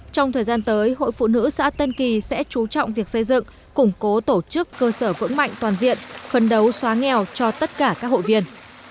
trong thời gian tới hội phụ nữ xã tân kỳ sẽ chú trọng việc xây dựng củng cố tổ chức cơ sở vững mạnh toàn diện phân đấu xóa nghèo cho tất cả các hội viên